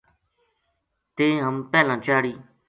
تیں ہم پہلاں چاڑھی